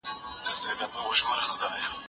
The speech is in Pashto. که وخت وي، نان خورم!!